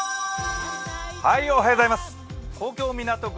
東京・港区